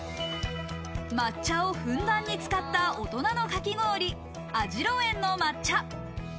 抹茶をふんだんに使った大人のかき氷、網代園の抹茶。